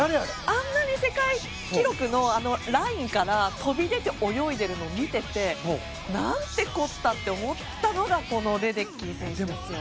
あんなに世界記録のラインから飛び出て泳いでいるのを見ててなんてこったと思ったのがこのレデッキー選手ですよ。